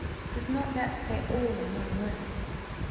does not that say all in one word?"